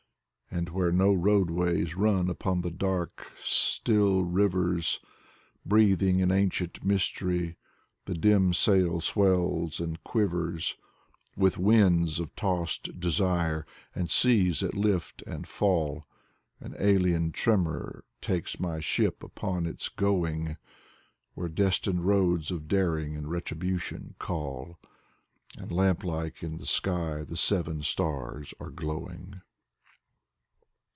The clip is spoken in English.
And where no roadways run upon the dark's still rivers. Breathing an ancient mystery, the dim sail swells and quivers With winds of tossed desire and seas that lift and fall. An alien tremor takes my ship upon its going Where destined roads of daring and retribution call. And lamp like in the sky the Seven Stars are glowing.